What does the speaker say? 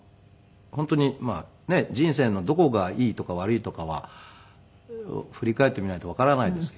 本当にまあねえ人生のどこがいいとか悪いとかは振り返ってみないとわからないですけど。